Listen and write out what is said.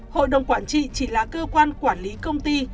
hội đồng quản trị chỉ là cơ quan quản lý công ty